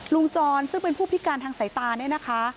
จรซึ่งเป็นผู้พิการทางสายตาเนี่ยนะคะ